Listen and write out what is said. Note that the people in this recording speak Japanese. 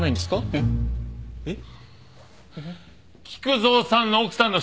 えっ？えっ？